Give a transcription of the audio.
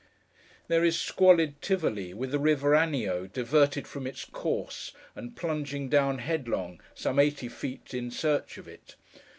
There is squalid Tivoli, with the river Anio, diverted from its course, and plunging down, headlong, some eighty feet in search of it.